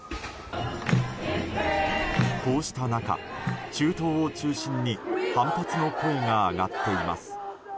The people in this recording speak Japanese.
こうした中、中東を中心に反発の声が上がっています。